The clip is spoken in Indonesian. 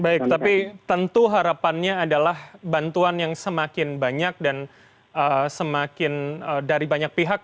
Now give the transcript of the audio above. baik tapi tentu harapannya adalah bantuan yang semakin banyak dan semakin dari banyak pihak